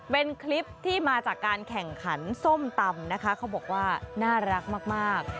เป็นคลิปที่มาจากการแข่งขันส้มตำนะคะเขาบอกว่าน่ารักมาก